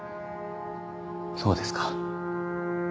そうですか